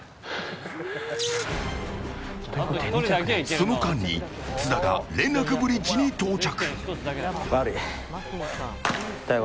その間に津田が連絡ブリッジに到着。